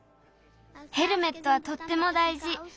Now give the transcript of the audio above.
ヘルメットはとっても大じ。